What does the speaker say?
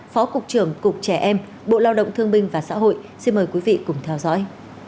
phó cục trưởng cục trẻ em bộ lao động thương minh và xã hội xin mời quý vị cùng theo dõi